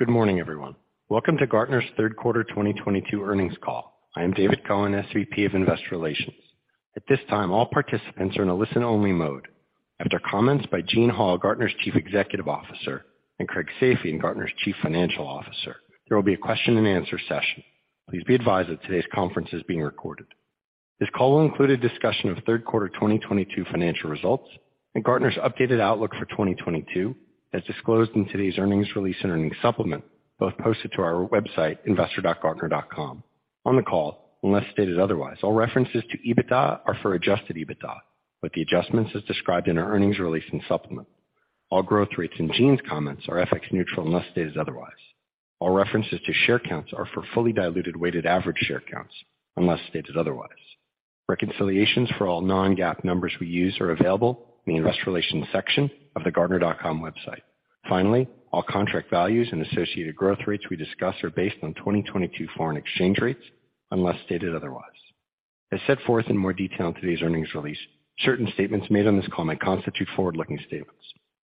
Good morning, everyone. Welcome to Gartner's third quarter 2022 earnings call. I am David Cohen, SVP of Investor Relations. At this time, all participants are in a listen-only mode. After comments by Gene Hall, Gartner's Chief Executive Officer, and Craig Safian, Gartner's Chief Financial Officer, there will be a question-and-answer session. Please be advised that today's conference is being recorded. This call will include a discussion of third quarter 2022 financial results and Gartner's updated outlook for 2022, as disclosed in today's earnings release and earnings supplement, both posted to our website, investor.gartner.com. On the call, unless stated otherwise, all references to EBITDA are for adjusted EBITDA, with the adjustments as described in our earnings release and supplement. All growth rates in Gene's comments are FX neutral unless stated otherwise. All references to share counts are for fully diluted weighted average share counts unless stated otherwise. Reconciliations for all non-GAAP numbers we use are available in the investor relations section of the Gartner.com website. Finally, all contract values and associated growth rates we discuss are based on 2022 foreign exchange rates unless stated otherwise. As set forth in more detail in today's earnings release, certain statements made on this call may constitute forward-looking statements.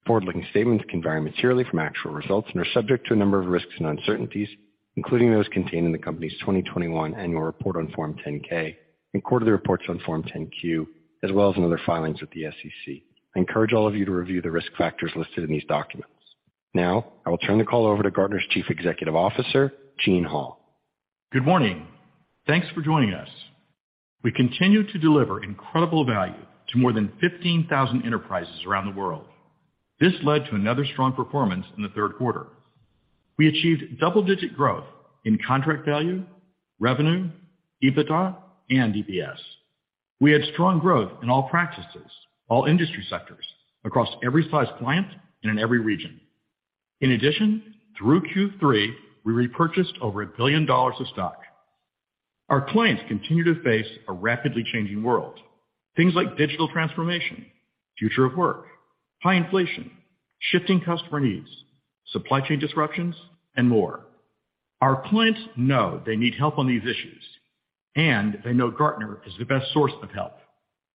Forward-looking statements can vary materially from actual results and are subject to a number of risks and uncertainties, including those contained in the company's 2021 Annual Report on Form 10-K and quarterly reports on Form 10-Q, as well as in other filings with the SEC. I encourage all of you to review the risk factors listed in these documents. Now, I will turn the call over to Gartner's Chief Executive Officer, Gene Hall. Good morning. Thanks for joining us. We continue to deliver incredible value to more than 15,000 enterprises around the world. This led to another strong performance in the third quarter. We achieved double-digit growth in contract value, revenue, EBITDA, and EPS. We had strong growth in all practices, all industry sectors, across every size client, and in every region. In addition, through Q3, we repurchased over $1 billion of stock. Our clients continue to face a rapidly changing world. Things like digital transformation, future of work, high inflation, shifting customer needs, supply chain disruptions, and more. Our clients know they need help on these issues, and they know Gartner is the best source of help.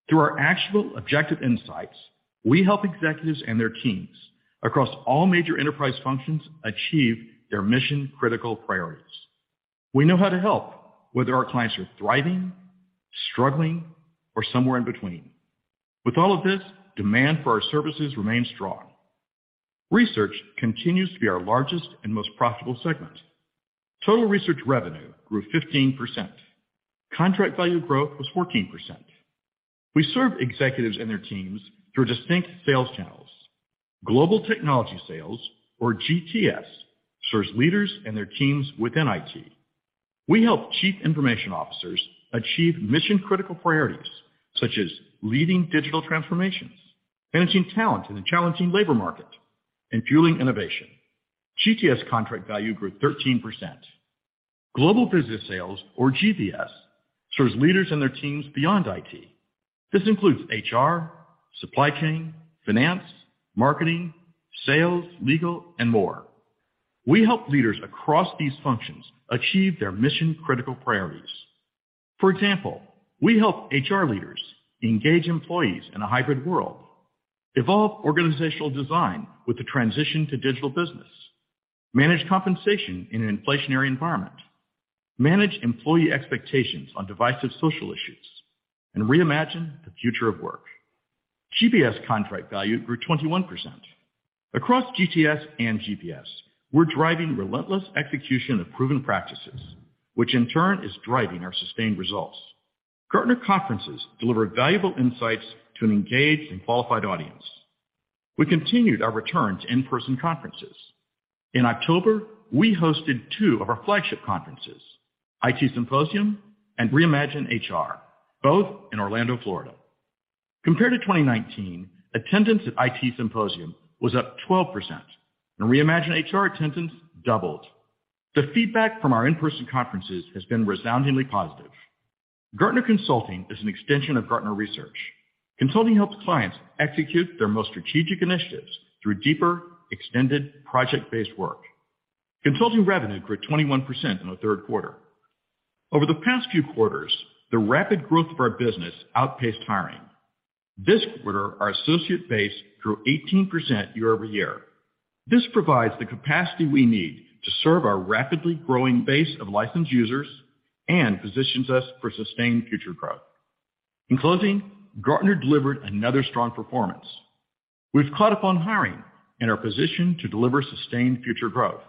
Through our actual objective insights, we help executives and their teams across all major enterprise functions achieve their mission-critical priorities. We know how to help, whether our clients are thriving, struggling, or somewhere in between. With all of this, demand for our services remains strong. Research continues to be our largest and most profitable segment. Total research revenue grew 15%. Contract value growth was 14%. We serve executives and their teams through distinct sales channels. Global Technology Sales, or GTS, serves leaders and their teams within IT. We help chief information officers achieve mission-critical priorities, such as leading digital transformations, managing talent in a challenging labor market, and fueling innovation. GTS contract value grew 13%. Global Business Sales, or GBS, serves leaders and their teams beyond IT. This includes HR, supply chain, finance, marketing, sales, legal, and more. We help leaders across these functions achieve their mission-critical priorities. For example, we help HR leaders engage employees in a hybrid world, evolve organizational design with the transition to digital business, manage compensation in an inflationary environment, manage employee expectations on divisive social issues, and reimagine the future of work. GBS contract value grew 21%. Across GTS and GBS, we're driving relentless execution of proven practices, which in turn is driving our sustained results. Gartner conferences deliver valuable insights to an engaged and qualified audience. We continued our return to in-person conferences. In October, we hosted 2 of our flagship conferences, IT Symposium and ReimagineHR, both in Orlando, Florida. Compared to 2019, attendance at IT Symposium was up 12%, and ReimagineHR attendance doubled. The feedback from our in-person conferences has been resoundingly positive. Gartner Consulting is an extension of Gartner Research. Consulting helps clients execute their most strategic initiatives through deeper, extended project-based work. Consulting revenue grew 21% in the third quarter. Over the past few quarters, the rapid growth of our business outpaced hiring. This quarter, our associate base grew 18% year-over-year. This provides the capacity we need to serve our rapidly growing base of licensed users and positions us for sustained future growth. In closing, Gartner delivered another strong performance. We've caught up on hiring and are positioned to deliver sustained future growth.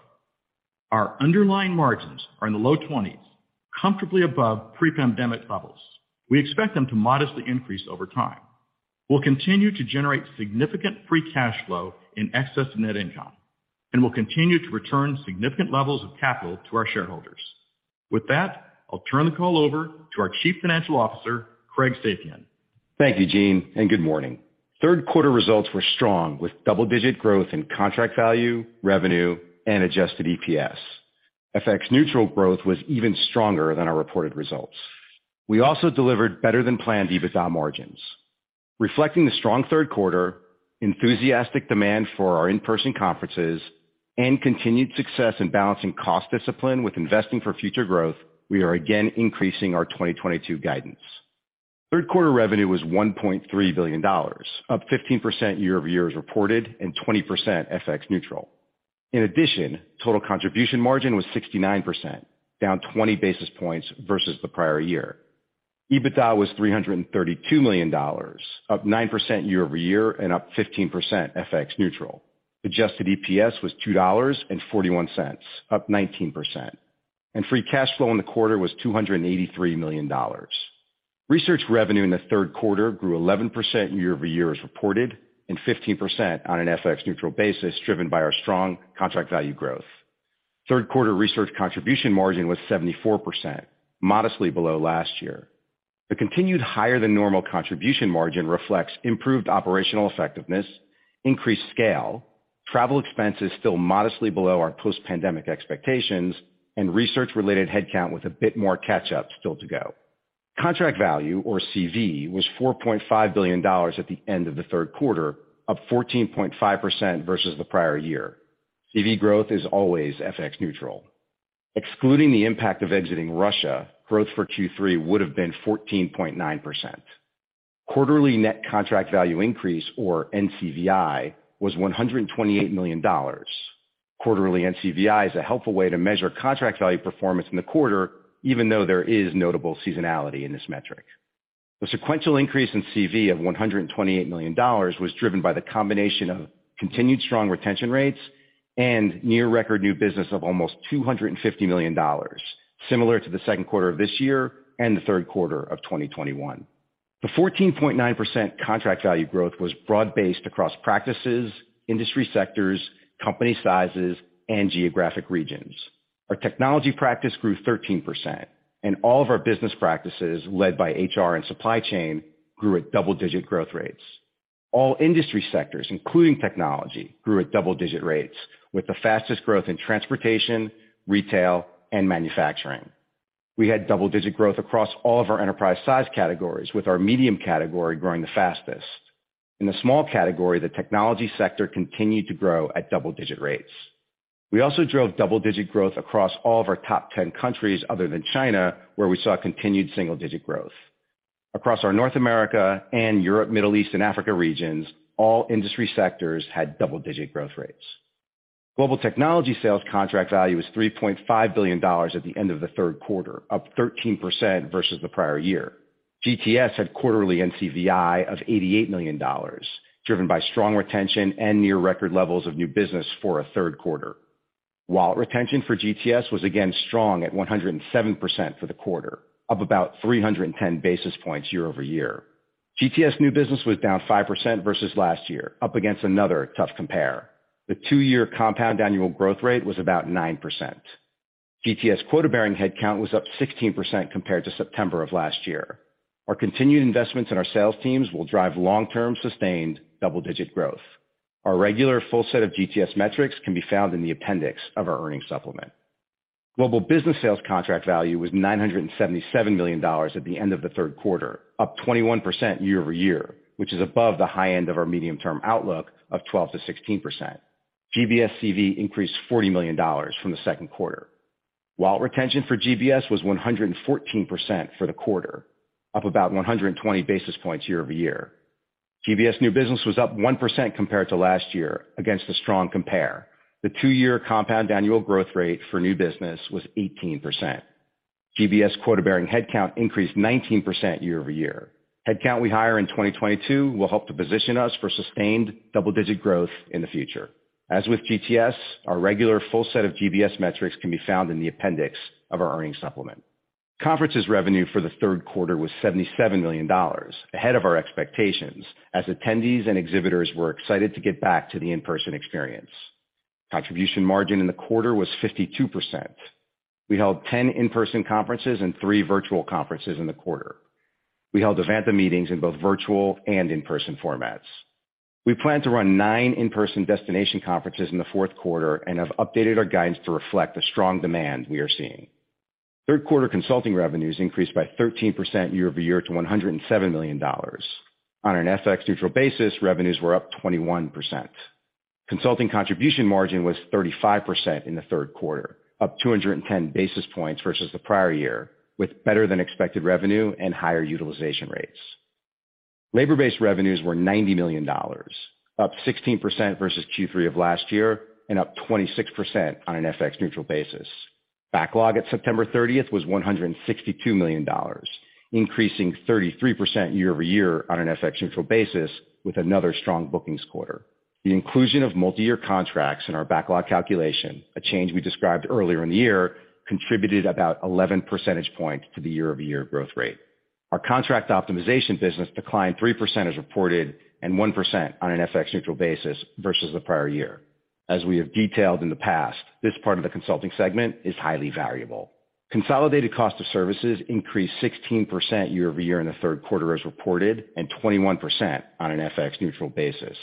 Our underlying margins are in the low twenties, comfortably above pre-pandemic levels. We expect them to modestly increase over time. We'll continue to generate significant free cash flow in excess of net income, and we'll continue to return significant levels of capital to our shareholders. With that, I'll turn the call over to our Chief Financial Officer, Craig Safian. Thank you, Gene, and good morning. Third quarter results were strong, with double-digit growth in contract value, revenue, and adjusted EPS. FX neutral growth was even stronger than our reported results. We also delivered better-than-planned EBITDA margins. Reflecting the strong third quarter, enthusiastic demand for our in-person conferences, and continued success in balancing cost discipline with investing for future growth, we are again increasing our 2022 guidance. Third quarter revenue was $1.3 billion, up 15% year-over-year as reported and 20% FX neutral. In addition, total contribution margin was 69%, down 20 basis points versus the prior year. EBITDA was $332 million, up 9% year-over-year and up 15% FX neutral. Adjusted EPS was $2.41, up 19%. Free cash flow in the quarter was $283 million. Research revenue in the third quarter grew 11% year-over-year as reported, and 15% on an FX neutral basis, driven by our strong contract value growth. Third quarter research contribution margin was 74%, modestly below last year. The continued higher than normal contribution margin reflects improved operational effectiveness, increased scale, travel expenses still modestly below our post-pandemic expectations, and research-related headcount with a bit more catch-up still to go. Contract value, or CV, was $4.5 billion at the end of the third quarter, up 14.5% versus the prior year. CV growth is always FX neutral. Excluding the impact of exiting Russia, growth for Q3 would have been 14.9%. Quarterly net contract value increase, or NCVI, was $128 million. Quarterly NCVI is a helpful way to measure contract value performance in the quarter, even though there is notable seasonality in this metric. The sequential increase in CV of $128 million was driven by the combination of continued strong retention rates and near record new business of almost $250 million, similar to the second quarter of this year and the third quarter of 2021. The 14.9% contract value growth was broad-based across practices, industry sectors, company sizes, and geographic regions. Our technology practice grew 13%, and all of our business practices, led by HR and supply chain, grew at double-digit growth rates. All industry sectors, including technology, grew at double-digit rates, with the fastest growth in transportation, retail, and manufacturing. We had double-digit growth across all of our enterprise size categories, with our medium category growing the fastest. In the small category, the technology sector continued to grow at double-digit rates. We also drove double-digit growth across all of our top 10 countries other than China, where we saw continued single-digit growth. Across our North America and Europe, Middle East, and Africa regions, all industry sectors had double-digit growth rates. Global technology sales contract value was $3.5 billion at the end of the third quarter, up 13% versus the prior year. GTS had quarterly NCVI of $88 million, driven by strong retention and near record levels of new business for a third quarter. Wallet retention for GTS was again strong at 107% for the quarter, up about 310 basis points year-over-year. GTS new business was down 5% versus last year, up against another tough compare. The two-year compound annual growth rate was about 9%. GTS quota-bearing headcount was up 16% compared to September of last year. Our continued investments in our sales teams will drive long-term sustained double-digit growth. Our regular full set of GTS metrics can be found in the appendix of our earnings supplement. Global business sales contract value was $977 million at the end of the third quarter, up 21% year-over-year, which is above the high end of our medium-term outlook of 12%-16%. GBS CV increased $40 million from the second quarter, while retention for GBS was 114% for the quarter, up about 120 basis points year-over-year. GBS new business was up 1% compared to last year against a strong compare. The two-year compound annual growth rate for new business was 18%. GBS quota-bearing headcount increased 19% year-over-year. Headcount we hire in 2022 will help to position us for sustained double-digit growth in the future. As with GTS, our regular full set of GBS metrics can be found in the appendix of our earnings supplement. Conferences revenue for the third quarter was $77 million, ahead of our expectations, as attendees and exhibitors were excited to get back to the in-person experience. Contribution margin in the quarter was 52%. We held 10 in-person conferences and three virtual conferences in the quarter. We held even though meetings in both virtual and in-person formats. We plan to run nine in-person destination conferences in the fourth quarter and have updated our guidance to reflect the strong demand we are seeing. Third quarter consulting revenues increased by 13% year-over-year to $107 million. On an FX neutral basis, revenues were up 21%. Consulting contribution margin was 35% in the third quarter, up 210 basis points versus the prior year, with better-than-expected revenue and higher utilization rates. Labor-based revenues were $90 million, up 16% versus Q3 of last year and up 26% on an FX neutral basis. Backlog at September 30 was $162 million, increasing 33% year-over-year on an FX neutral basis with another strong bookings quarter. The inclusion of multiyear contracts in our backlog calculation, a change we described earlier in the year, contributed about 11 percentage points to the year-over-year growth rate. Our contract optimization business declined 3% as reported and 1% on an FX neutral basis versus the prior year. As we have detailed in the past, this part of the consulting segment is highly variable. Consolidated cost of services increased 16% year-over-year in the third quarter as reported and 21% on an FX neutral basis.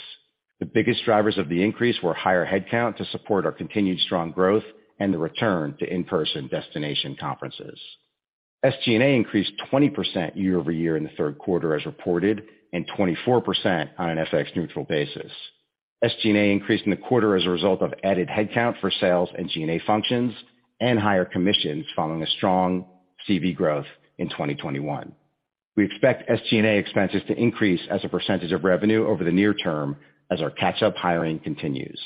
The biggest drivers of the increase were higher headcount to support our continued strong growth and the return to in-person destination conferences. SG&A increased 20% year-over-year in the third quarter as reported and 24% on an FX neutral basis. SG&A increased in the quarter as a result of added headcount for sales and G&A functions and higher commissions following a strong CV growth in 2021. We expect SG&A expenses to increase as a percentage of revenue over the near term as our catch-up hiring continues.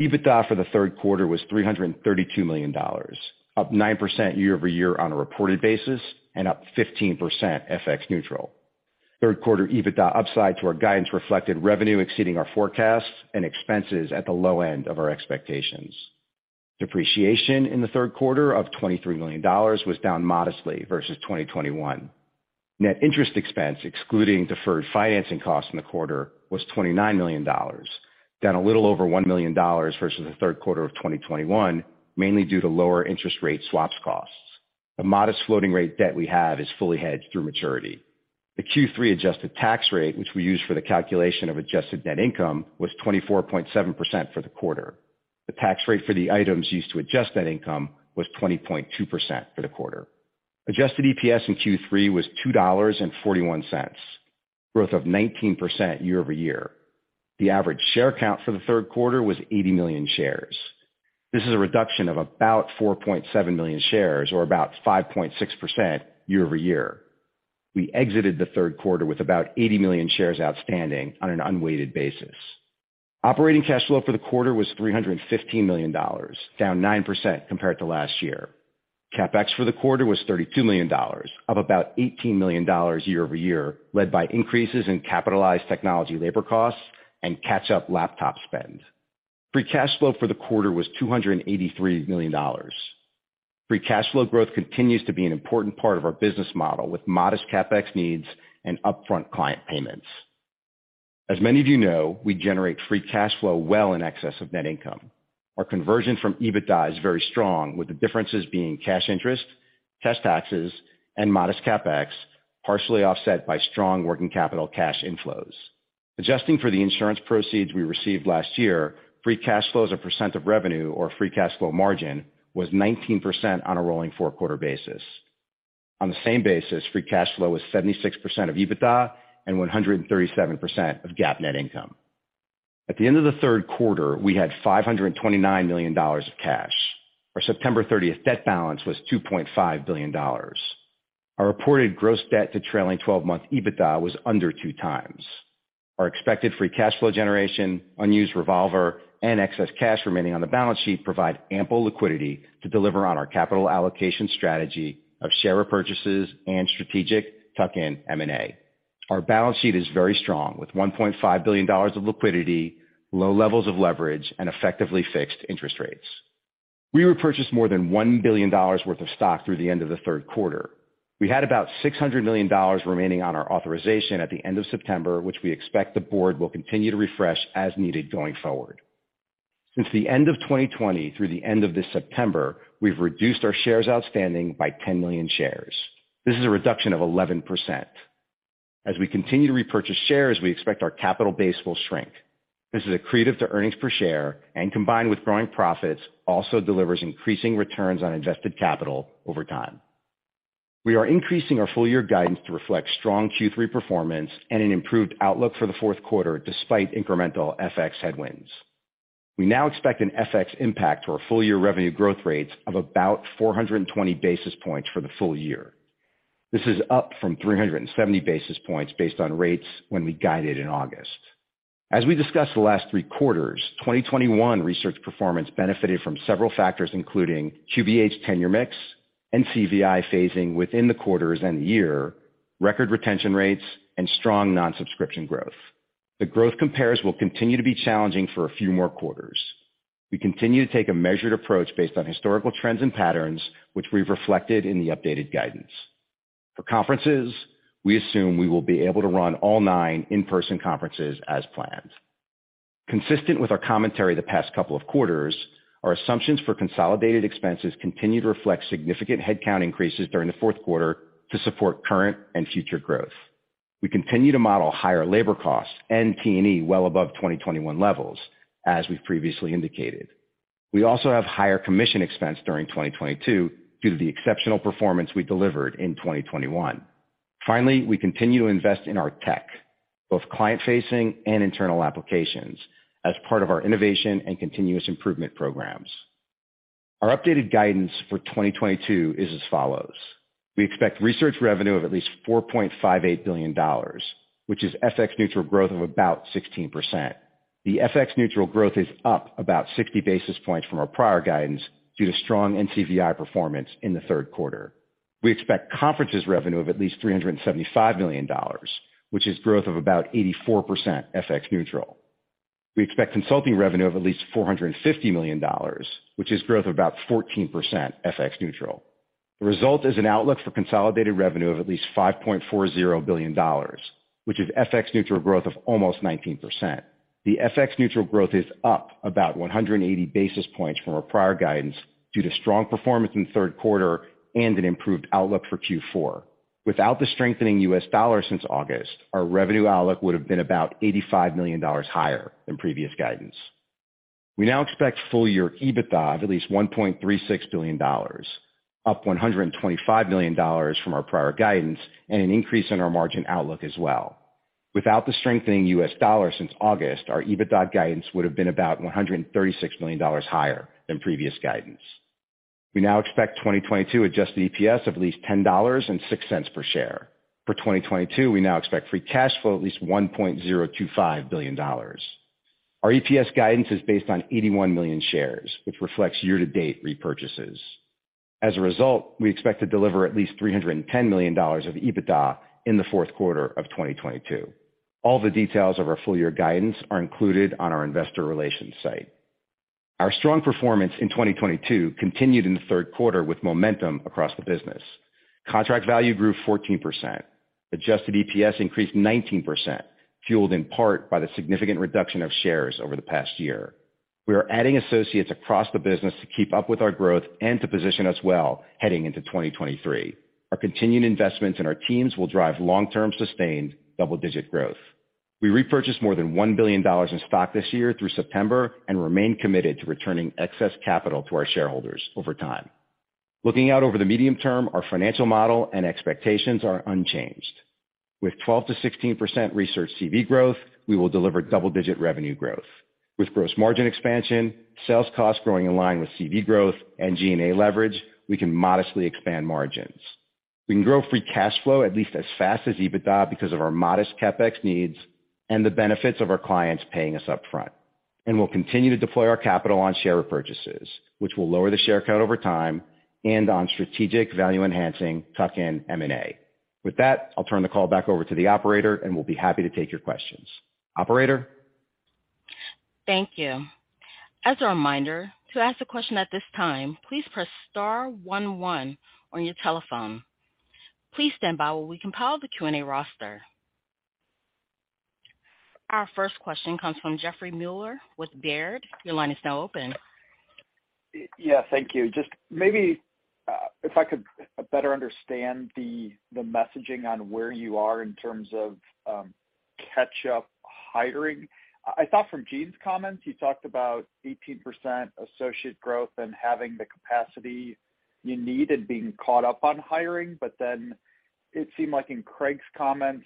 EBITDA for the third quarter was $332 million, up 9% year-over-year on a reported basis and up 15% FX neutral. Third quarter EBITDA upside to our guidance reflected revenue exceeding our forecasts and expenses at the low end of our expectations. Depreciation in the third quarter of $23 million was down modestly versus 2021. Net interest expense, excluding deferred financing costs in the quarter, was $29 million, down a little over $1 million versus the third quarter of 2021, mainly due to lower interest rate swaps costs. The modest floating rate debt we have is fully hedged through maturity. The Q3 adjusted tax rate, which we use for the calculation of adjusted net income, was 24.7% for the quarter. The tax rate for the items used to adjust that income was 20.2% for the quarter. Adjusted EPS in Q3 was $2.41, growth of 19% year-over-year. The average share count for the third quarter was 80 million shares. This is a reduction of about 4.7 million shares or about 5.6% year-over-year. We exited the third quarter with about 80 million shares outstanding on an unweighted basis. Operating cash flow for the quarter was $315 million, down 9% compared to last year. CapEx for the quarter was $32 million, up about $18 million year-over-year, led by increases in capitalized technology labor costs and catch-up laptop spend. Free cash flow for the quarter was $283 million. Free cash flow growth continues to be an important part of our business model with modest CapEx needs and upfront client payments. As many of you know, we generate free cash flow well in excess of net income. Our conversion from EBITDA is very strong, with the differences being cash interest, cash taxes, and modest CapEx, partially offset by strong working capital cash inflows. Adjusting for the insurance proceeds we received last year, free cash flow as a percent of revenue or free cash flow margin was 19% on a rolling four-quarter basis. On the same basis, free cash flow was 76% of EBITDA and 137% of GAAP net income. At the end of the third quarter, we had $529 million of cash. Our September thirtieth debt balance was $2.5 billion. Our reported gross debt to trailing twelve-month EBITDA was under 2x. Our expected free cash flow generation, unused revolver, and excess cash remaining on the balance sheet provide ample liquidity to deliver on our capital allocation strategy of share repurchases and strategic tuck-in M&A. Our balance sheet is very strong, with $1.5 billion of liquidity, low levels of leverage, and effectively fixed interest rates. We repurchased more than $1 billion worth of stock through the end of the third quarter. We had about $600 million remaining on our authorization at the end of September, which we expect the board will continue to refresh as needed going forward. Since the end of 2020 through the end of this September, we've reduced our shares outstanding by 10 million shares. This is a reduction of 11%. As we continue to repurchase shares, we expect our capital base will shrink. This is accretive to earnings per share, and combined with growing profits, also delivers increasing returns on invested capital over time. We are increasing our full year guidance to reflect strong Q3 performance and an improved outlook for the fourth quarter despite incremental FX headwinds. We now expect an FX impact to our full year revenue growth rates of about 420 basis points for the full year. This is up from 370 basis points based on rates when we guided in August. As we discussed the last three quarters, 2021 research performance benefited from several factors, including QBH tenure mix, NCVI phasing within the quarters and the year, record retention rates, and strong non-subscription growth. The growth comps will continue to be challenging for a few more quarters. We continue to take a measured approach based on historical trends and patterns, which we've reflected in the updated guidance. For conferences, we assume we will be able to run all 9 in-person conferences as planned. Consistent with our commentary the past couple of quarters, our assumptions for consolidated expenses continue to reflect significant headcount increases during the fourth quarter to support current and future growth. We continue to model higher labor costs and T&E well above 2021 levels, as we've previously indicated. We also have higher commission expense during 2022 due to the exceptional performance we delivered in 2021. Finally, we continue to invest in our tech, both client-facing and internal applications, as part of our innovation and continuous improvement programs. Our updated guidance for 2022 is as follows. We expect research revenue of at least $4.58 billion, which is FX neutral growth of about 16%. The FX neutral growth is up about 60 basis points from our prior guidance due to strong NCVI performance in the third quarter. We expect conferences revenue of at least $375 million, which is growth of about 84% FX neutral. We expect consulting revenue of at least $450 million, which is growth of about 14% FX neutral. The result is an outlook for consolidated revenue of at least $5.40 billion, which is FX neutral growth of almost 19%. The FX neutral growth is up about 180 basis points from our prior guidance due to strong performance in the third quarter and an improved outlook for Q4. Without the strengthening U.S. dollar since August, our revenue outlook would have been about $85 million higher than previous guidance. We now expect full year EBITDA of at least $1.36 billion, up $125 million from our prior guidance and an increase in our margin outlook as well. Without the strengthening US dollar since August, our EBITDA guidance would have been about $136 million higher than previous guidance. We now expect 2022 adjusted EPS of at least $10.06 per share. For 2022, we now expect free cash flow at least $1.025 billion. Our EPS guidance is based on 81 million shares, which reflects year-to-date repurchases. As a result, we expect to deliver at least $310 million of EBITDA in the fourth quarter of 2022. All the details of our full year guidance are included on our investor relations site. Our strong performance in 2022 continued in the third quarter with momentum across the business. Contract value grew 14%. Adjusted EPS increased 19%, fueled in part by the significant reduction of shares over the past year. We are adding associates across the business to keep up with our growth and to position us well heading into 2023. Our continued investments in our teams will drive long-term sustained double-digit growth. We repurchased more than $1 billion in stock this year through September and remain committed to returning excess capital to our shareholders over time. Looking out over the medium term, our financial model and expectations are unchanged. With 12%-16% research CV growth, we will deliver double-digit revenue growth. With gross margin expansion, sales costs growing in line with CV growth and G&A leverage, we can modestly expand margins. We can grow free cash flow at least as fast as EBITDA because of our modest CapEx needs and the benefits of our clients paying us upfront. We'll continue to deploy our capital on share repurchases, which will lower the share count over time and on strategic value enhancing tuck-in M&A. With that, I'll turn the call back over to the operator, and we'll be happy to take your questions. Operator? Thank you. As a reminder, to ask a question at this time, please press star one one on your telephone. Please stand by while we compile the Q&A roster. Our first question comes from Jeffrey Meuler with Baird. Your line is now open. Yeah, thank you. Just maybe, if I could better understand the messaging on where you are in terms of catch-up hiring. I thought from Gene's comments, he talked about 18% associate growth and having the capacity you need and being caught up on hiring. It seemed like in Craig's comments,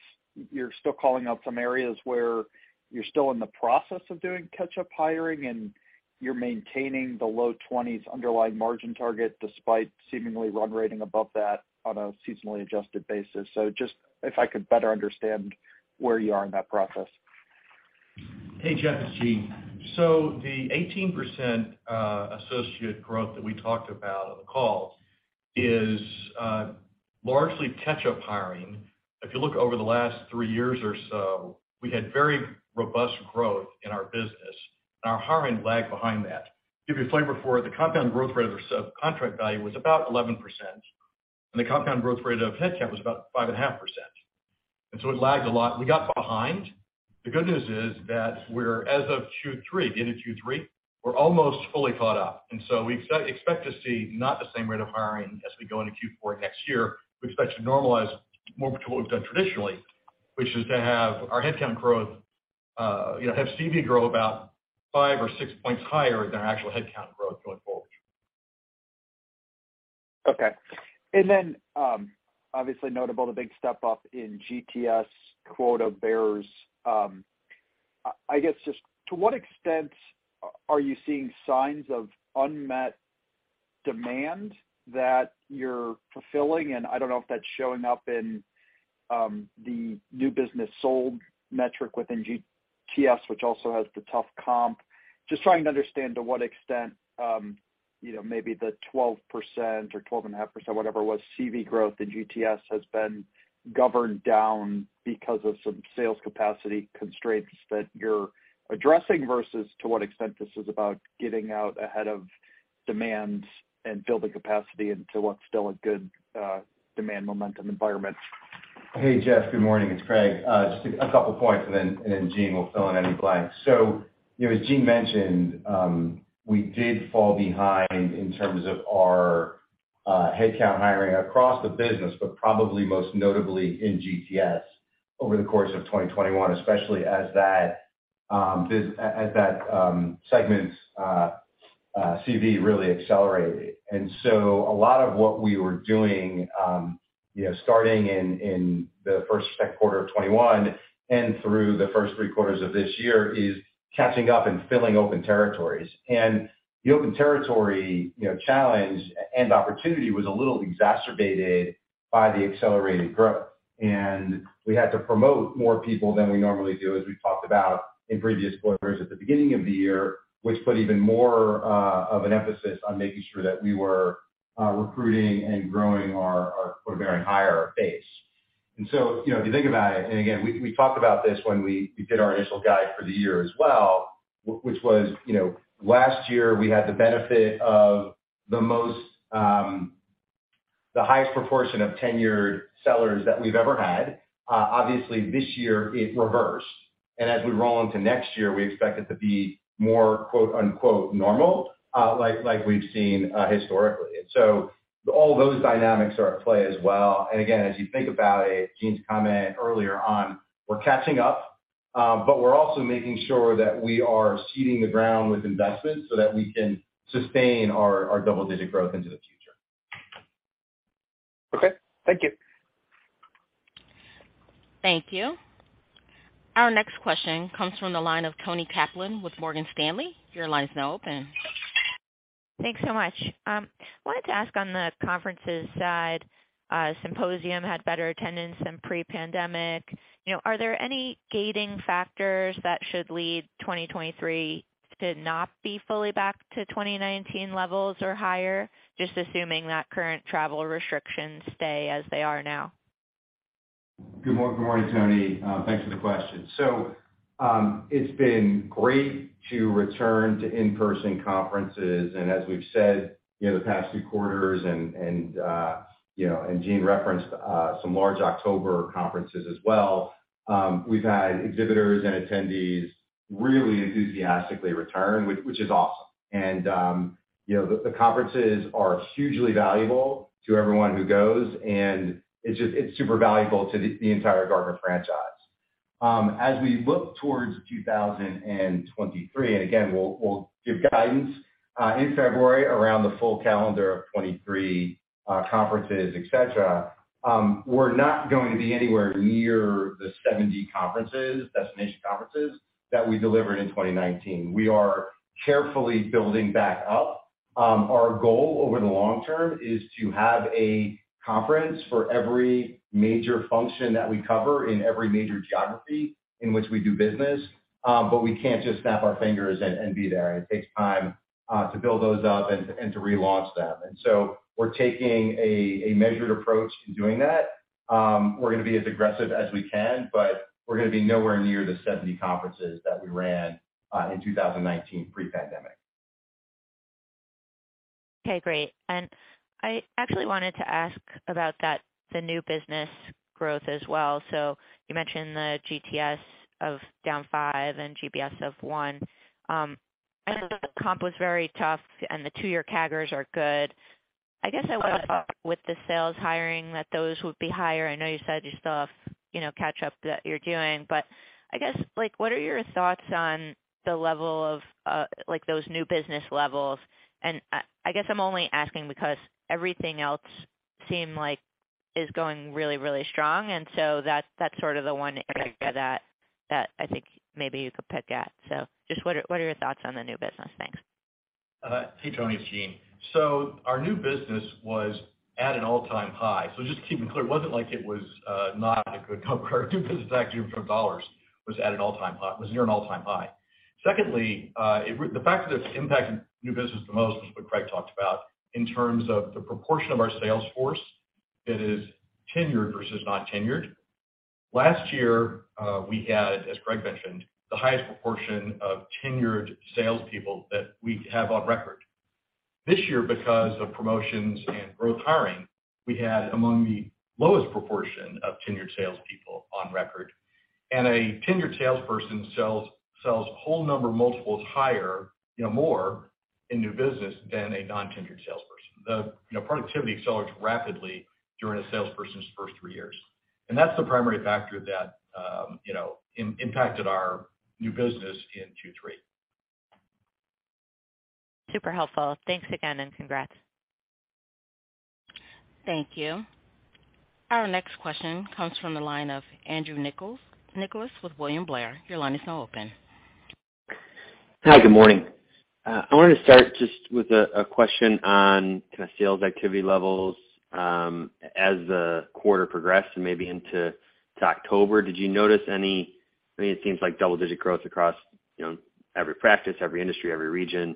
you're still calling out some areas where you're still in the process of doing catch-up hiring, and you're maintaining the low 20s% underlying margin target despite seemingly run-rate above that on a seasonally adjusted basis. Just if I could better understand where you are in that process. Hey, Jeff, it's Gene. The 18% associate growth that we talked about on the call is largely catch-up hiring. If you look over the last 3 years or so, we had very robust growth in our business, and our hiring lagged behind that. Give you a flavor for it, the compound growth rate of contract value was about 11%, and the compound growth rate of headcount was about 5.5%. It lagged a lot. We got behind. The good news is that, as of the end of Q3, we're almost fully caught up. We expect to see not the same rate of hiring as we go into Q4 next year. We expect to normalize more to what we've done traditionally, which is to have our headcount growth, you know, have CV grow about 5 or 6 points higher than our actual headcount growth going forward. Obviously notable, the big step up in GTS quota bearers. I guess just to what extent are you seeing signs of unmet demand that you're fulfilling? I don't know if that's showing up in the new business sold metric within GTS, which also has the tough comp. Just trying to understand to what extent, you know, maybe the 12% or 12.5%, whatever it was, CV growth in GTS has been governed down because of some sales capacity constraints that you're addressing versus to what extent this is about getting out ahead of demand and building capacity into what's still a good demand momentum environment. Hey, Jeff, good morning. It's Craig. Just a couple points and then Gene will fill in any blanks. You know, as Gene mentioned, we did fall behind in terms of our headcount hiring across the business, but probably most notably in GTS over the course of 2021, especially as that segment's CV really accelerated. A lot of what we were doing, you know, starting in the first quarter of 2021 and through the first three quarters of this year is catching up and filling open territories. The open territory, you know, challenge and opportunity was a little exacerbated by the accelerated growth. We had to promote more people than we normally do, as we talked about in previous quarters at the beginning of the year, which put even more of an emphasis on making sure that we were recruiting and growing our quota-bearing hire base. You know, if you think about it, and again, we talked about this when we did our initial guide for the year as well, which was, you know, last year we had the benefit of the most, the highest proportion of tenured sellers that we've ever had. Obviously, this year it reversed. As we roll into next year, we expect it to be more quote-unquote normal, like we've seen, historically. All those dynamics are at play as well. Again, as you think about it, Gene's comment earlier on, we're catching up, but we're also making sure that we are seeding the ground with investment so that we can sustain our double-digit growth into the future. Okay. Thank you. Thank you. Our next question comes from the line of Toni Kaplan with Morgan Stanley. Your line is now open. Thanks so much. Wanted to ask on the conferences side, Symposium had better attendance than pre-pandemic. You know, are there any gating factors that should lead 2023 to not be fully back to 2019 levels or higher? Just assuming that current travel restrictions stay as they are now. Good morning, Toni. Thanks for the question. It's been great to return to in-person conferences, and as we've said, you know, the past few quarters, you know, and Gene referenced some large October conferences as well. We've had exhibitors and attendees really enthusiastically return, which is awesome. You know, the conferences are hugely valuable to everyone who goes, and it's just it's super valuable to the entire Gartner franchise. As we look towards 2023, and again, we'll give guidance in February around the full calendar of 2023 conferences, et cetera, we're not going to be anywhere near the 70 conferences, destination conferences that we delivered in 2019. We are carefully building back up. Our goal over the long term is to have a conference for every major function that we cover in every major geography in which we do business, but we can't just snap our fingers and be there. It takes time to build those up and to relaunch them. We're taking a measured approach in doing that. We're gonna be as aggressive as we can, but we're gonna be nowhere near the 70 conferences that we ran in 2019 pre-pandemic. Okay. Great. I actually wanted to ask about that, the new business growth as well. You mentioned the GTS down 5% and GBS 1%. I know the comp was very tough and the 2-year CAGRs are good. I guess I would've with the sales hiring that those would be higher. I know you said you still have, you know, catch-up that you're doing, but I guess, like, what are your thoughts on the level of, like, those new business levels? I guess I'm only asking because everything else seem like is going really, really strong. That's sort of the one area that I think maybe you could pick at. Just what are your thoughts on the new business? Thanks. Hey, Toni. It's Gene. Our new business was at an all-time high. Just to keep it clear, it wasn't like it was not a good compare to this actual dollars. It was at an all-time high. It was near an all-time high. Secondly, the fact that it's impacting new business the most, which is what Craig talked about, in terms of the proportion of our sales force that is tenured versus not tenured. Last year, we had, as Craig mentioned, the highest proportion of tenured salespeople that we have on record. This year, because of promotions and growth hiring, we had among the lowest proportion of tenured salespeople on record. A tenured salesperson sells whole number multiples higher, you know, more in new business than a non-tenured salesperson. You know, productivity accelerates rapidly during a salesperson's first three years. That's the primary factor that, you know, impacted our new business in Q3. Super helpful. Thanks again, and congrats. Thank you. Our next question comes from the line of Andrew Nicholas with William Blair. Your line is now open. Hi. Good morning. I wanted to start just with a question on kind of sales activity levels, as the quarter progressed and maybe into October. Did you notice any? I mean, it seems like double-digit growth across, you know, every practice, every industry, every region,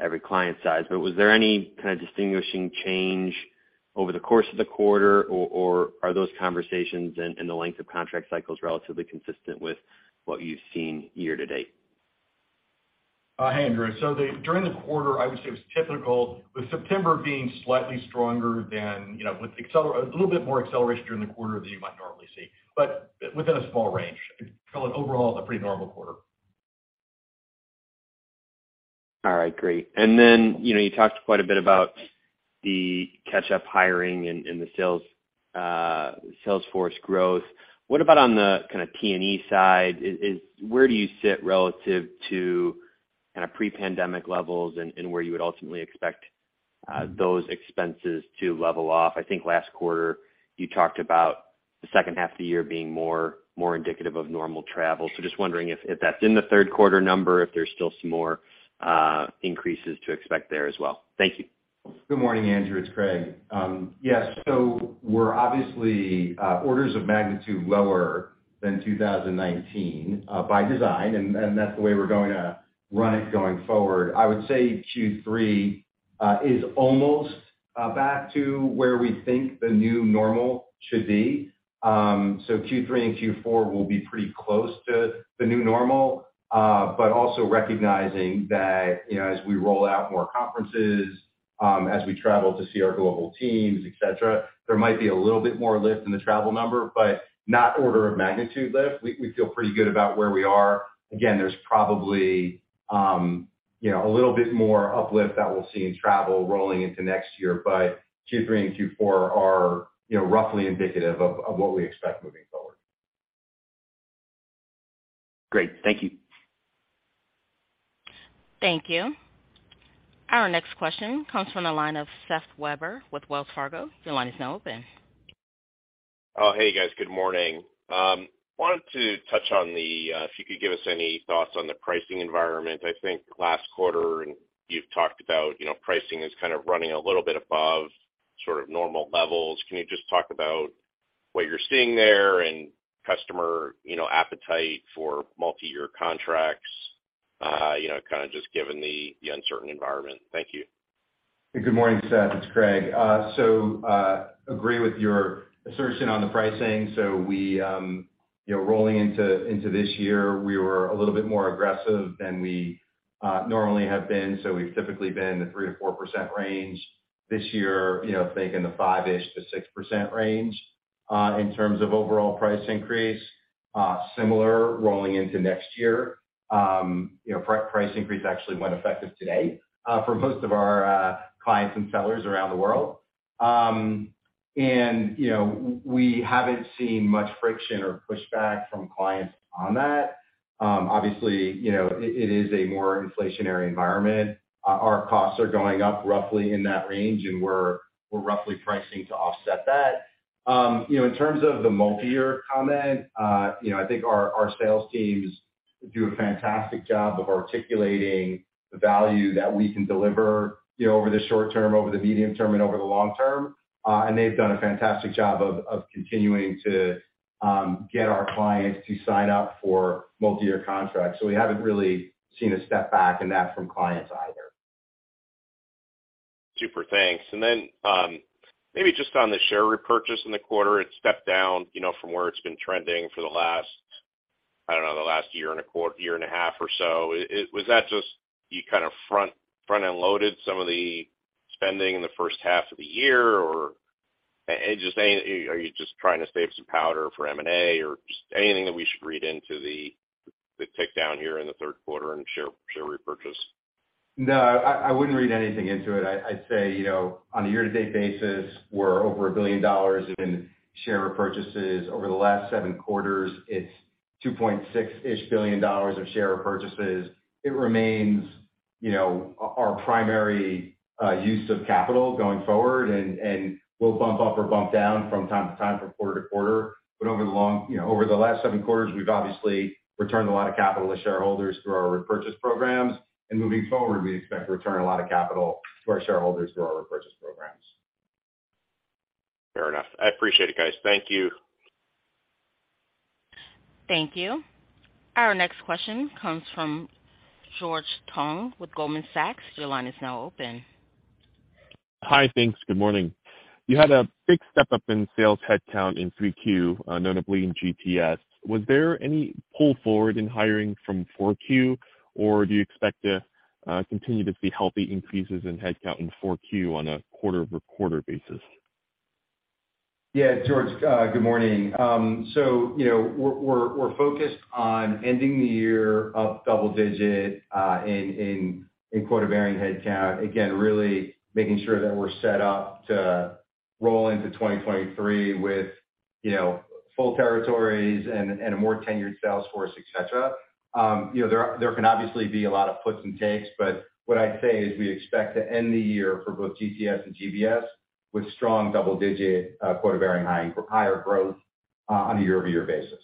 every client size. Was there any kind of distinguishing change over the course of the quarter or are those conversations and the length of contract cycles relatively consistent with what you've seen year to date? Hey, Andrew. During the quarter, I would say it was typical, with September being slightly stronger than, you know, a little bit more acceleration during the quarter than you might normally see, but within a small range. I'd call it overall a pretty normal quarter. All right. Great. Then you know, you talked quite a bit about the catch-up hiring and the sales force growth. What about on the kinda T&E side? Is where do you sit relative to kinda pre-pandemic levels and where you would ultimately expect those expenses to level off? I think last quarter you talked about the second half of the year being more indicative of normal travel. Just wondering if that's in the third quarter number, if there's still some more increases to expect there as well. Thank you. Good morning, Andrew. It's Craig. We're obviously orders of magnitude lower than 2019, by design, and that's the way we're going to run it going forward. I would say Q3 is almost back to where we think the new normal should be. Q3 and Q4 will be pretty close to the new normal, but also recognizing that, you know, as we roll out more conferences, as we travel to see our global teams, et cetera, there might be a little bit more lift in the travel number, but not order of magnitude lift. We feel pretty good about where we are. Again, there's probably, you know, a little bit more uplift that we'll see in travel rolling into next year, but Q3 and Q4 are, you know, roughly indicative of what we expect moving forward. Great. Thank you. Thank you. Our next question comes from the line of Seth Weber with Wells Fargo. Your line is now open. Oh, hey guys, good morning. Wanted to touch on the if you could give us any thoughts on the pricing environment. I think last quarter and you've talked about, you know, pricing is kind of running a little bit above sort of normal levels. Can you just talk about what you're seeing there and customer, you know, appetite for multi-year contracts, you know, kind of just given the uncertain environment. Thank you. Good morning, Seth. It's Craig. I agree with your assertion on the pricing. We, you know, rolling into this year, we were a little bit more aggressive than we normally have been. We've typically been the 3%-4% range. This year, you know, think in the 5-ish%-6% range in terms of overall price increase, similar rolling into next year. You know, price increase actually went effective today for most of our clients and sellers around the world. You know, we haven't seen much friction or pushback from clients on that. Obviously, you know, it is a more inflationary environment. Our costs are going up roughly in that range, and we're roughly pricing to offset that. You know, in terms of the multi-year comment, you know, I think our sales teams do a fantastic job of articulating the value that we can deliver, you know, over the short term, over the medium term, and over the long term. They've done a fantastic job of continuing to get our clients to sign up for multi-year contracts. We haven't really seen a step back in that from clients either. Super. Thanks. Maybe just on the share repurchase in the quarter, it stepped down, you know, from where it's been trending for the last, I don't know, the last year-and-a-half or so. It was that just you kind of front-end loaded some of the spending in the first half of the year? Or are you just trying to save some powder for M&A or just anything that we should read into the tick down here in the third quarter and share repurchase? No, I wouldn't read anything into it. I'd say, you know, on a year-to-date basis, we're over $1 billion in share repurchases. Over the last seven quarters, it's $2.6-ish billion of share repurchases. It remains, you know, our primary use of capital going forward, and we'll bump up or bump down from time to time from quarter to quarter. Over the long, you know, over the last seven quarters, we've obviously returned a lot of capital to shareholders through our repurchase programs. Moving forward, we expect to return a lot of capital to our shareholders through our repurchase programs. Fair enough. I appreciate it, guys. Thank you. Thank you. Our next question comes from George Tong with Goldman Sachs. Your line is now open. Hi. Thanks. Good morning. You had a big step-up in sales headcount in 3Q, notably in GTS. Was there any pull forward in hiring from 4Q, or do you expect to continue to see healthy increases in headcount in 4Q on a quarter-over-quarter basis? Yeah. George, good morning. You know, we're focused on ending the year up double-digit in quota-bearing headcount. Again, really making sure that we're set up to roll into 2023 with, you know, full territories and a more tenured sales force, et cetera. You know, there can obviously be a lot of puts and takes, but what I'd say is we expect to end the year for both GTS and GBS with strong double-digit quota-bearing higher growth on a year-over-year basis.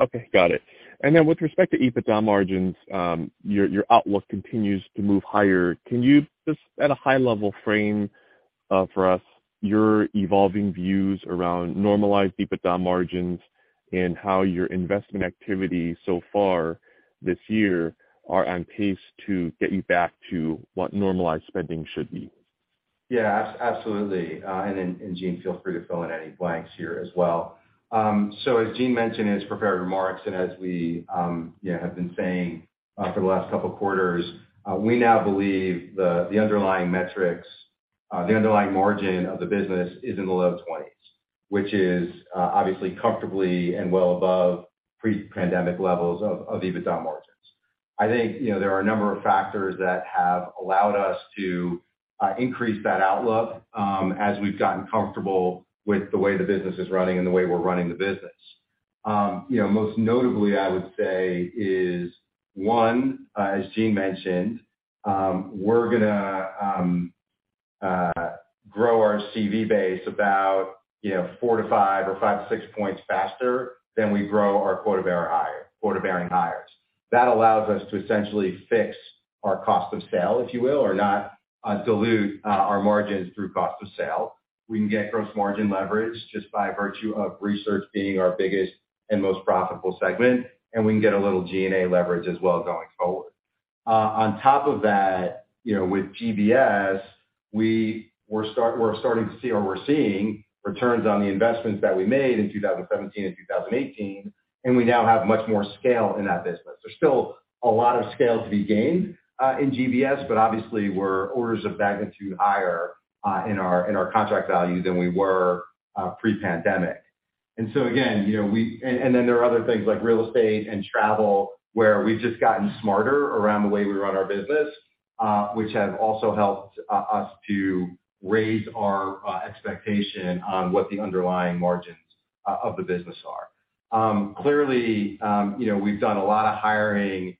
Okay, got it. Then with respect to EBITDA margins, your outlook continues to move higher. Can you just at a high level frame for us your evolving views around normalized EBITDA margins and how your investment activity so far this year are on pace to get you back to what normalized spending should be? Absolutely. Then, Gene, feel free to fill in any blanks here as well. As Gene mentioned in his prepared remarks and as we, you know, have been saying for the last couple quarters, we now believe the underlying metrics, the underlying margin of the business is in the low 20s%, which is obviously comfortably and well above pre-pandemic levels of EBITDA margins. I think, you know, there are a number of factors that have allowed us to increase that outlook, as we've gotten comfortable with the way the business is running and the way we're running the business. You know, most notably, I would say is, one, as Gene mentioned, we're gonna grow our CV base about, you know, 4-5 or 5-6 points faster than we grow our quota-bearing hires. That allows us to essentially fix our cost of sale, if you will, or not dilute our margins through cost of sale. We can get gross margin leverage just by virtue of research being our biggest and most profitable segment, and we can get a little G&A leverage as well going forward. On top of that, you know, with GBS, we're starting to see returns on the investments that we made in 2017 and 2018, and we now have much more scale in that business. There's still a lot of scale to be gained in GBS, but obviously we're orders of magnitude higher in our contract value than we were pre-pandemic. Again, you know, and then there are other things like real estate and travel, where we've just gotten smarter around the way we run our business, which have also helped us to raise our expectation on what the underlying margins of the business are. Clearly, you know, we've done a lot of hiring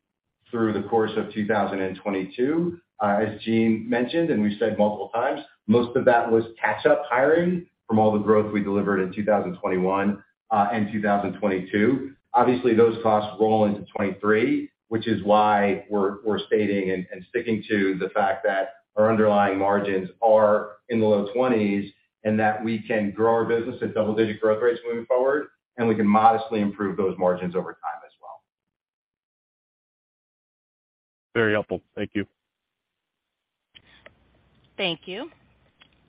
through the course of 2022. As Gene mentioned, and we've said multiple times, most of that was catch-up hiring from all the growth we delivered in 2021 and 2022. Obviously, those costs roll into 2023, which is why we're stating and sticking to the fact that our underlying margins are in the low 20s%, and that we can grow our business at double-digit% growth rates moving forward, and we can modestly improve those margins over time as well. Very helpful. Thank you. Thank you.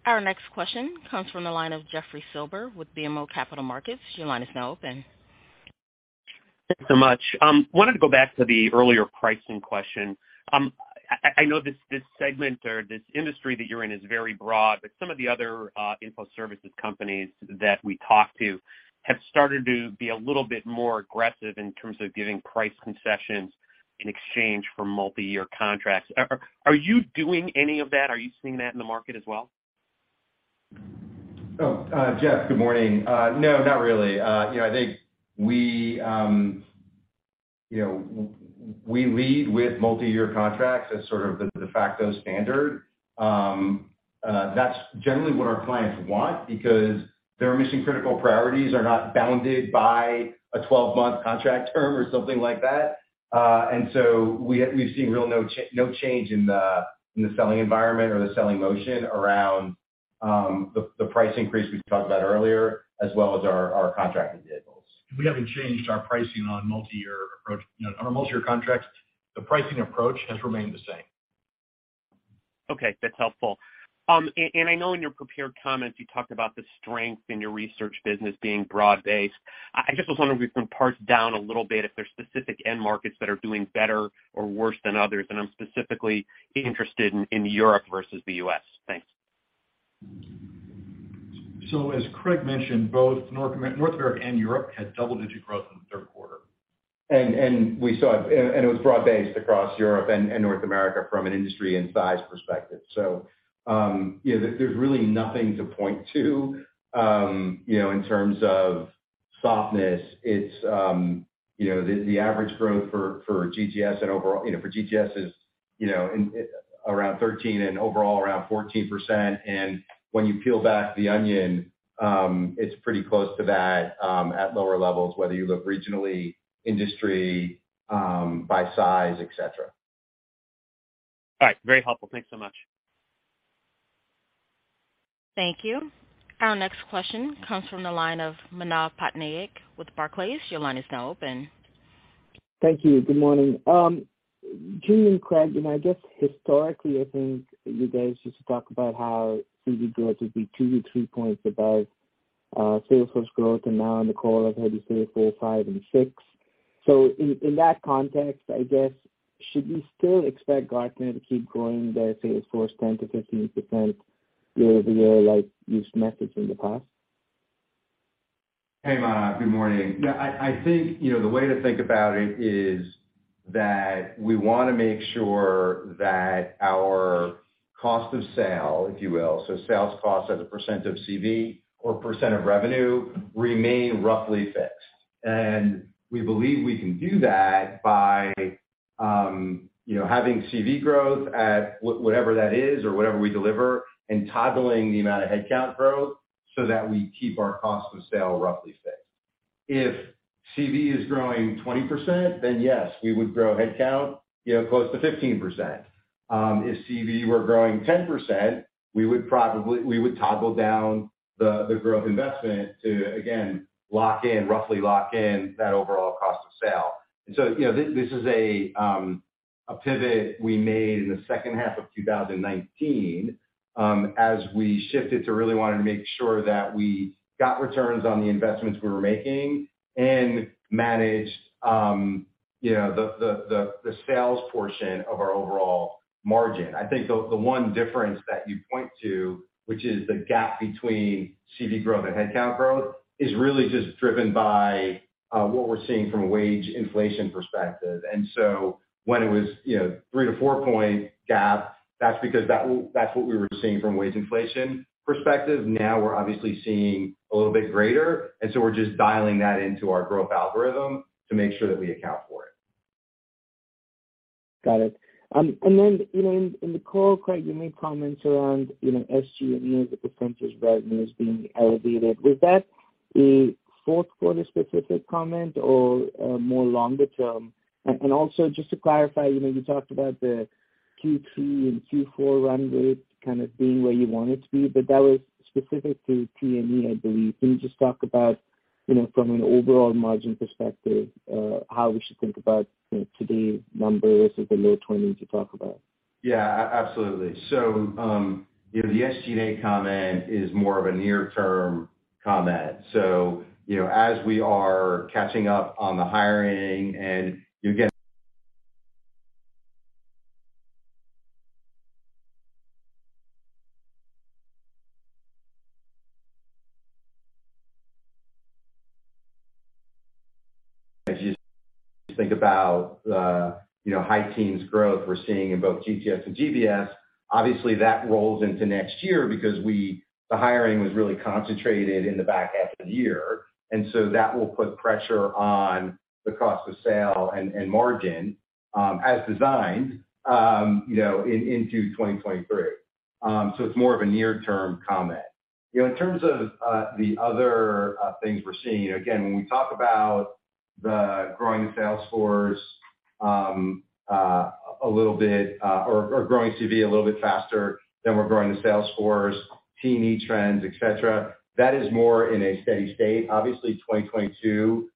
Our next question comes from the line of Jeffrey Silber with BMO Capital Markets. Your line is now open. Thanks so much. Wanted to go back to the earlier pricing question. I know this segment or this industry that you're in is very broad, but some of the other info services companies that we talk to have started to be a little bit more aggressive in terms of giving price concessions in exchange for multi-year contracts. Are you doing any of that? Are you seeing that in the market as well? Jeff, good morning. No, not really. You know, I think we, you know, we lead with multi-year contracts as sort of the de facto standard. That's generally what our clients want because their mission-critical priorities are not bounded by a 12-month contract term or something like that. We've seen no change in the selling environment or the selling motion around the price increase we talked about earlier, as well as our contracting vehicles. We haven't changed our pricing on multi-year approach. You know, on a multi-year contract, the pricing approach has remained the same. Okay, that's helpful. I know in your prepared comments, you talked about the strength in your research business being broad-based. I just was wondering if you can parse down a little bit if there's specific end markets that are doing better or worse than others, and I'm specifically interested in Europe versus the US. Thanks. As Craig mentioned, both North America and Europe had double-digit growth in the third quarter. We saw it, and it was broad-based across Europe and North America from an industry and size perspective. You know, there's really nothing to point to, you know, in terms of softness. It's, you know, the average growth for GTS and overall, you know, for GTS is, you know, in around 13% and overall around 14%. When you peel back the onion, it's pretty close to that at lower levels, whether you look regionally, by industry, by size, et cetera. All right, very helpful. Thanks so much. Thank you. Our next question comes from the line of Manav Patnaik with Barclays. Your line is now open. Thank you. Good morning. Gene and Craig, you know, I guess historically, I think you guys used to talk about how CVD growth would be 2-3 points above sales force growth, and now in the quarter have had to say four, five, and six. In that context, I guess, should we still expect Gartner to keep growing their sales force 10%-15% year-over-year like you've mentioned in the past? Hey, Manav. Good morning. Yeah, I think, you know, the way to think about it is that we wanna make sure that our cost of sale, if you will, so sales costs as a percent of CV or percent of revenue remain roughly fixed. We believe we can do that by having CV growth at whatever that is or whatever we deliver and toggling the amount of headcount growth so that we keep our cost of sale roughly fixed. If CV is growing 20%, then yes, we would grow headcount close to 15%. If CV were growing 10%, we would toggle down the growth investment to again roughly lock in that overall cost of sale. This is a pivot we made in the second half of 2019, as we shifted to really wanting to make sure that we got returns on the investments we were making and managed, you know, the sales portion of our overall margin. I think the one difference that you point to, which is the gap between CV growth and headcount growth, is really just driven by what we're seeing from a wage inflation perspective. When it was, you know, 3-4 point gap, that's because that's what we were seeing from a wage inflation perspective. Now we're obviously seeing a little bit greater, and so we're just dialing that into our growth algorithm to make sure that we account for it. Got it. In the call, Craig, you made comments around, you know, SG&A, the percentage right, you know, as being elevated. Was that a fourth quarter specific comment or more longer term? And also just to clarify, you know, you talked about the Q3 and Q4 run rate kind of being where you want it to be, but that was specific to T&E, I believe. Can you just talk about, you know, from an overall margin perspective, how we should think about, you know, today's numbers in the low 20s% you talk about? Yeah. Absolutely. You know, the SG&A comment is more of a near-term comment. You know, as we are catching up on the hiring, as you think about, you know, high-teens growth we're seeing in both GTS and GBS, obviously, that rolls into next year because the hiring was really concentrated in the back half of the year. That will put pressure on the cost of sales and margin, as designed, you know, into 2023. It's more of a near-term comment. You know, in terms of the other things we're seeing, again, when we talk about the growing sales force a little bit or growing CV a little bit faster than we're growing the sales force, TE trends, et cetera, that is more in a steady state. Obviously, 2022, you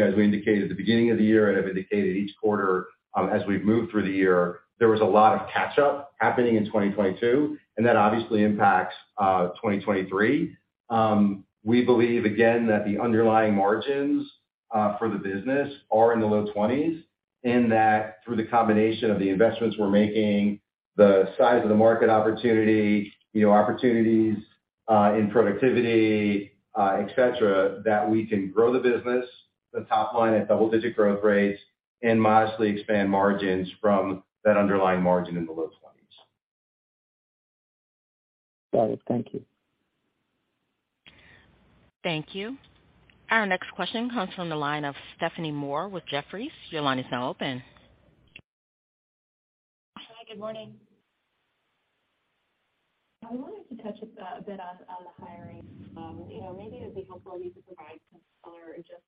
know, as we indicated at the beginning of the year and have indicated each quarter, as we've moved through the year, there was a lot of catch-up happening in 2022, and that obviously impacts 2023. We believe again that the underlying margins for the business are in the low 20s%, and that through the combination of the investments we're making, the size of the market opportunity, you know, opportunities in productivity, et cetera, that we can grow the business, the top line at double-digit% growth rates, and modestly expand margins from that underlying margin in the low 20s%. Got it. Thank you. Thank you. Our next question comes from the line of Stephanie Moore with Jefferies. Your line is now open. Hi, good morning. I wanted to touch a bit on the hiring. You know, maybe it'd be helpful for you to provide some color just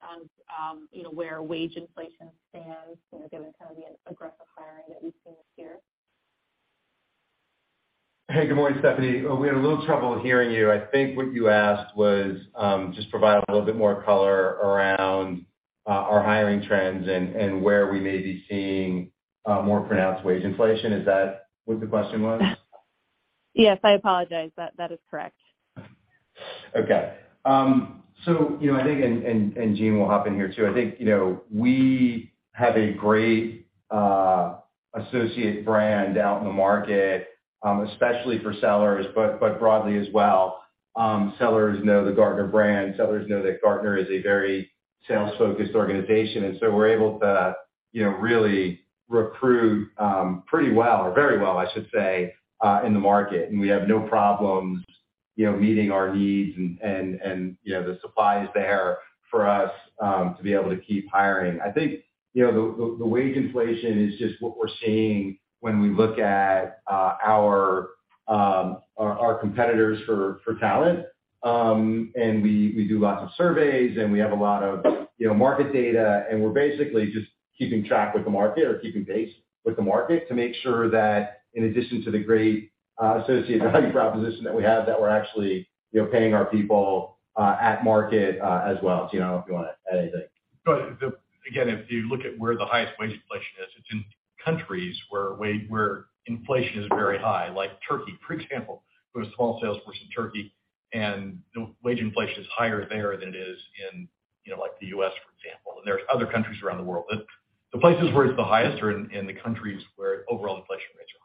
on you know, where wage inflation stands, you know, given kind of the aggressive hiring that we've seen this year. Hey, good morning, Stephanie. We had a little trouble hearing you. I think what you asked was just provide a little bit more color around our hiring trends and where we may be seeing more pronounced wage inflation. Is that what the question was? Yes. I apologize. That is correct. Okay. You know, I think, and Gene will hop in here too. I think, you know, we have a great associate brand out in the market, especially for sellers, but broadly as well. Sellers know the Gartner brand. Sellers know that Gartner is a very sales-focused organization, and so we're able to, you know, really recruit pretty well or very well, I should say, in the market. We have no problems, you know, meeting our needs and you know, the supply is there for us to be able to keep hiring. I think, you know, the wage inflation is just what we're seeing when we look at our competitors for talent. We do lots of surveys, and we have a lot of, you know, market data, and we're basically just keeping track with the market or keeping pace with the market to make sure that in addition to the great associate value proposition that we have, that we're actually, you know, paying our people at market as well. Gene, I don't know if you wanna add anything. Again, if you look at where the highest wage inflation is, it's in countries where inflation is very high, like Turkey, for example. We have a small sales force in Turkey, and the wage inflation is higher there than it is in, you know, like the U.S., for example. There's other countries around the world. The places where it's the highest are in the countries where overall inflation rates are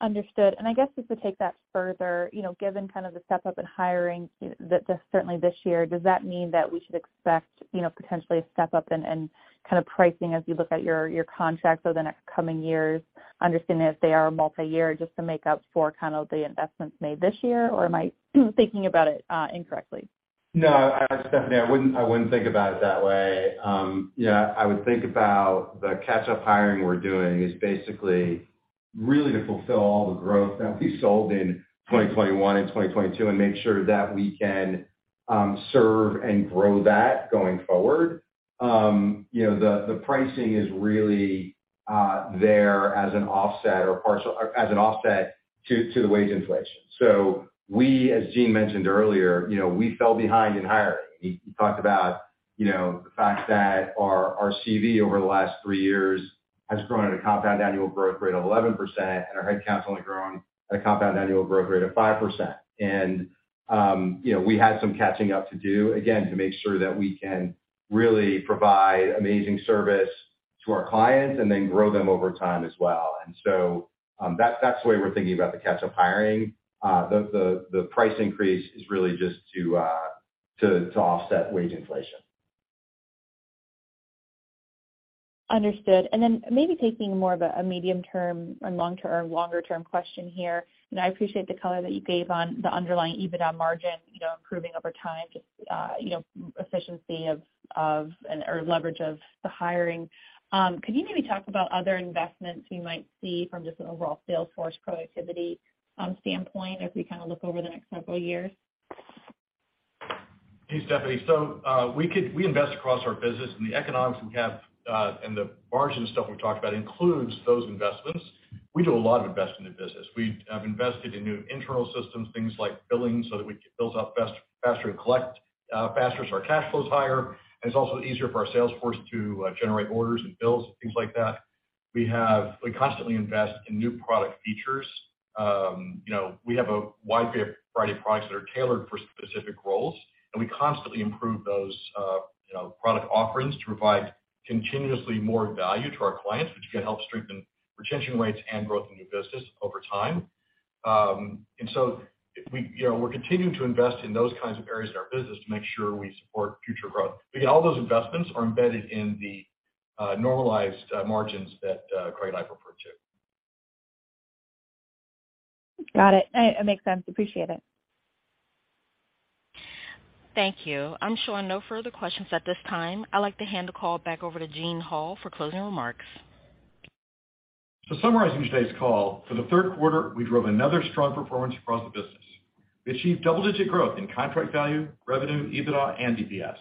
higher. Understood. I guess just to take that further, you know, given kind of the step-up in hiring certainly this year, does that mean that we should expect, you know, potentially a step-up in kind of pricing as you look at your contracts over the next coming years, understanding if they are multi-year just to make up for kind of the investments made this year, or am I thinking about it incorrectly? No, Stephanie, I wouldn't think about it that way. Yeah, I would think about the catch-up hiring we're doing is basically really to fulfill all the growth that we sold in 2021 and 2022 and make sure that we can serve and grow that going forward. You know, the pricing is really there as an offset to the wage inflation. As Gene mentioned earlier, you know, we fell behind in hiring. He talked about, you know, the fact that our CV over the last three years has grown at a compound annual growth rate of 11% and our head count's only grown at a compound annual growth rate of 5%. You know, we had some catching up to do, again, to make sure that we can really provide amazing service to our clients and then grow them over time as well. That's the way we're thinking about the catch-up hiring. The price increase is really just to offset wage inflation. Understood. Maybe taking more of a medium-term and long-term longer-term question here, I appreciate the color that you gave on the underlying EBITDA margin, you know, improving over time just, you know, efficiency of and or leverage of the hiring. Could you maybe talk about other investments we might see from just an overall sales force productivity standpoint as we kinda look over the next several years? Hey, Stephanie. We invest across our business, and the economics we have, and the margin stuff we've talked about includes those investments. We do a lot of investing in the business. We have invested in new internal systems, things like billing, so that we can build up faster and collect faster so our cash flow is higher. It's also easier for our sales force to generate orders and bills and things like that. We constantly invest in new product features. You know, we have a wide variety of products that are tailored for specific roles, and we constantly improve those, you know, product offerings to provide continuously more value to our clients, which can help strengthen retention rates and growth in new business over time. We, you know, we're continuing to invest in those kinds of areas in our business to make sure we support future growth. Yeah, all those investments are embedded in the normalized margins that Craig and I referred to. Got it. It makes sense. Appreciate it. Thank you. I'm showing no further questions at this time. I'd like to hand the call back over to Gene Hall for closing remarks. Summarizing today's call, for the third quarter, we drove another strong performance across the business. We achieved double-digit growth in contract value, revenue, EBITDA, and EPS.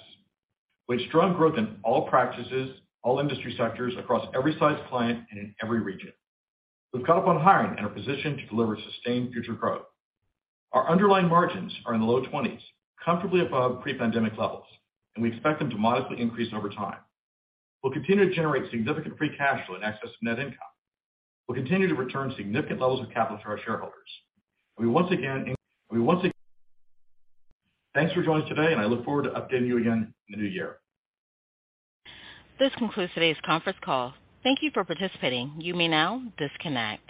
We had strong growth in all practices, all industry sectors, across every size client and in every region. We've caught up on hiring and are positioned to deliver sustained future growth. Our underlying margins are in the low 20s%, comfortably above pre-pandemic levels, and we expect them to modestly increase over time. We'll continue to generate significant free cash flow in excess of net income. We'll continue to return significant levels of capital to our shareholders. Thanks for joining us today, and I look forward to updating you again in the new year. This concludes today's conference call. Thank you for participating. You may now disconnect.